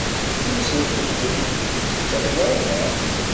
Ur asent-tent-id-tettakeḍ ara?